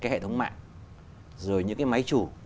hệ thống mạng máy chủ